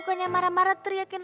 bannya kempes ya bu